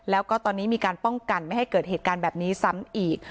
แล้วก็ตอนนี้มีการป้องกันไม่ให้เกิดเหตุการณ์แบบนี้ซ้ำอีก